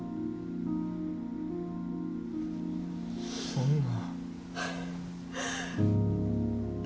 そんな。